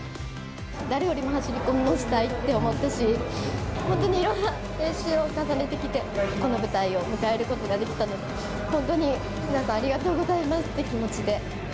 誰よりも走り込みをしたいって思ったし、本当にいろんな練習を重ねてきて、この舞台を迎えることができたので、本当に皆さんありがとうございますって気持ちで。